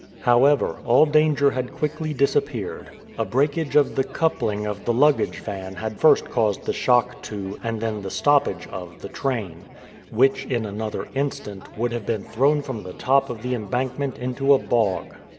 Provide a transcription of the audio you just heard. However, all danger had quickly disappeared. A breakage of the coupling of the luggage van had first caused the shock to, and then the stoppage of, the train, which in another instant would have been thrown from the top of the embankment into a bog.